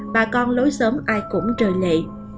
bà con lối xóm ai cũng trời lệ